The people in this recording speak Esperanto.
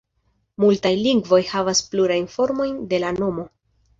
Multaj lingvoj havas plurajn formojn de la nomo.